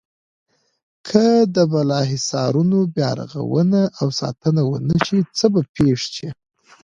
که د بالا حصارونو بیا رغونه او ساتنه ونشي څه به پېښ شي.